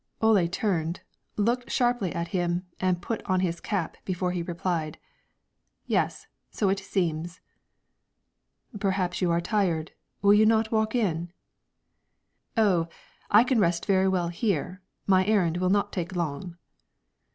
Ole turned, looked sharply at him, and put on his cap before he replied, "Yes, so it seems." "Perhaps you are tired; will you not walk in?" "Oh! I can rest very well here; my errand will not take long."